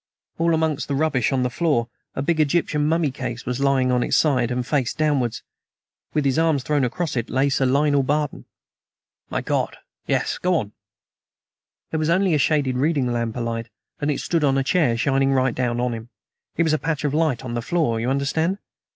"All amongst the rubbish on the floor a big Egyptian mummy case was lying on its side, and face downwards, with his arms thrown across it, lay Sir Lionel Barton." "My God! Yes. Go on." "There was only a shaded reading lamp alight, and it stood on a chair, shining right down on him; it made a patch of light on the floor, you understand."